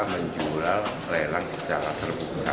menjual lelang secara terbuka